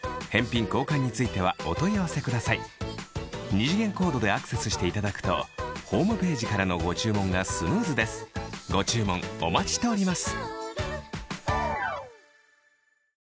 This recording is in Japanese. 二次元コードでアクセスしていただくとホームページからのご注文がスムーズですご注文お待ちしております